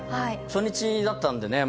初日だったのでね